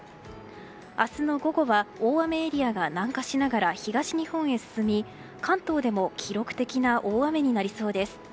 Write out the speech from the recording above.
明日の午後は大雨エリアが南下しながら東日本に進み関東でも記録的な大雨になりそうです。